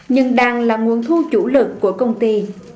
nhưng đang là nguồn thu chủ lực của công ty